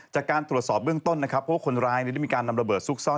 จากการตรวจสอบเบื้องต้นนะครับเพราะว่าคนร้ายได้มีการนำระเบิดซุกซ่อน